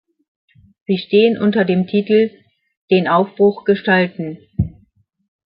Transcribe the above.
Sie stehen unter dem Titel: "„Den Aufbruch gestalten“".